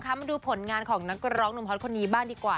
มาดูผลงานของนักร้องหนุ่มฮอตคนนี้บ้างดีกว่า